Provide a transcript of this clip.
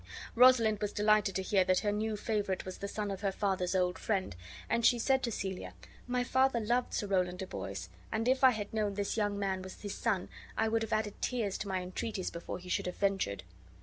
Rosalind was delighted to hear that her new favorite was the son of her father's old friend; and she said to Celia, "My father loved Sir Rowland de Boys, and if I had known this young man was his son I would have added tears to my entreaties before he should have ventured."